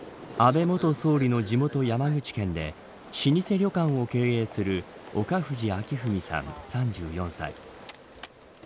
安倍元総理の地元、山口県で老舗旅館を経営する岡藤明史さん、３４歳。